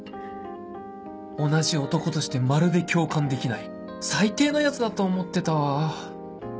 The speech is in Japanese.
同じ男としてまるで共感できない最低なヤツだと思ってたわ